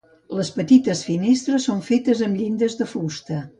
Les petites finestres són fetes amb llindes de fusta.